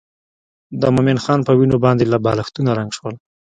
د مومن خان په وینو باندې بالښتونه رنګ شول.